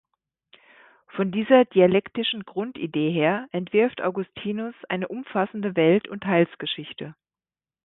Von dieser dialektischen Grundidee her entwirft Augustinus eine umfassende Welt- und Heilsgeschichte.